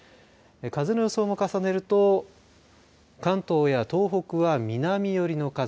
風の予想も重ねると関東や東北は、南寄りの風。